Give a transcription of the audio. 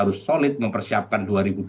harus solid mempersiapkan dua ribu dua puluh